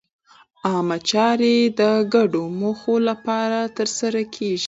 عامه چارې د ګډو موخو لپاره ترسره کېږي.